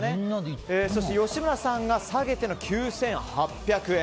そして吉村さんが下げての９８００円。